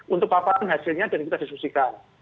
untuk papanan hasilnya dan kita disusikan